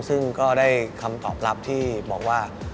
ซึ่งก็ได้คำตอบรับที่บอกว่า